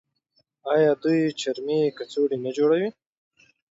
آیا دوی چرمي کڅوړې نه جوړوي؟